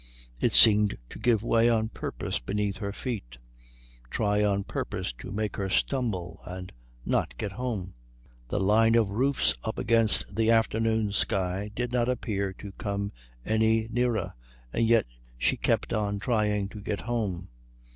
It seemed to give way on purpose beneath her feet, try on purpose to make her stumble and not get home. The line of roofs up against the afternoon sky did not appear to come any nearer, and yet she kept on trying to get home.